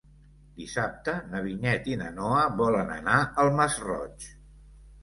Dissabte na Vinyet i na Noa volen anar al Masroig.